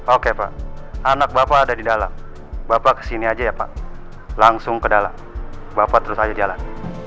oke pak anak bapak ada di dalam bapak kesini aja ya pak langsung ke dalam bapak terus aja jalan